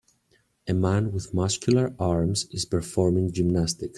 A man with muscular arms is performing gymnastics.